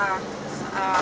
dan juga dengan